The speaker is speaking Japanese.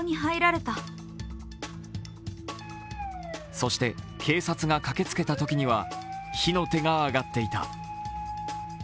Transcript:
そして、警察が駆けつけたときには火の手が上がっていた。